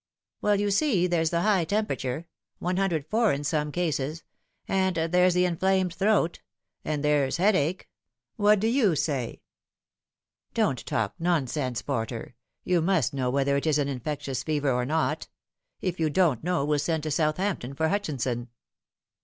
" Well, you see, there's the high temperature 104 in some cases and there's the inflamed throat, and there's headache. What do you say ?"" Don't talk nonsense, Porter ; you must know whether it is an infectious fever or not. If you don't know, we'll send to Southampton for Hutchinson."